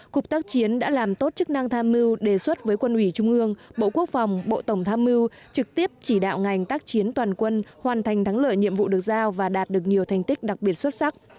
cục tác chiến đã làm tốt chức năng tham mưu đề xuất với quân ủy trung ương bộ quốc phòng bộ tổng tham mưu trực tiếp chỉ đạo ngành tác chiến toàn quân hoàn thành thắng lợi nhiệm vụ được giao và đạt được nhiều thành tích đặc biệt xuất sắc